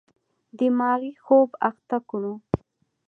دماغي خوب اخته کړو.